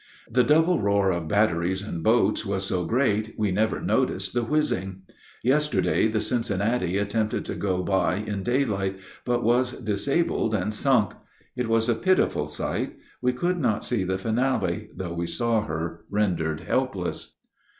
The double roar of batteries and boats was so great, we never noticed the whizzing. Yesterday the Cincinnati attempted to go by in daylight but was disabled and sunk. It was a pitiful sight; we could not see the finale, though we saw her rendered helpless.